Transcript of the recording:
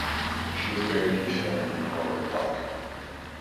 She was buried in Sharon Memorial Park.